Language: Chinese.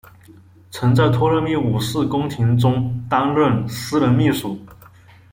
曾在托勒密五世宫廷中担任私人秘书。